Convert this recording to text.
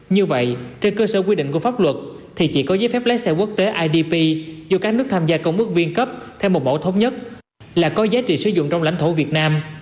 như vậy trên cơ sở quy định của pháp luật thì chỉ có giấy phép lái xe quốc tế idp do các nước tham gia công ước viên cấp theo một mẫu thống nhất là có giá trị sử dụng trong lãnh thổ việt nam